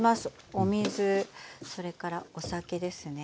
お水それからお酒ですね。